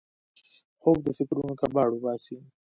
خوب د فکرونو کباړ وباسي